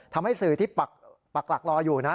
ทำให้สื่อที่ปักหลักรออยู่นะ